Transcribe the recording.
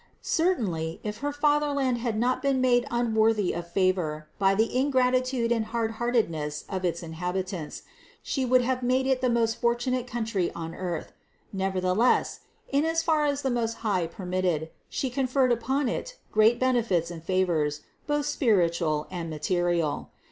Certainly, if her fatherland had not been made unworthy of favor by the ingratitude and hardheartedness of its inhabitants, She would have made it the most fortunate country on earth; nevertheless, in as far as the Most High permitted, She conferred upon it great benefits and favors, both spiritual and material.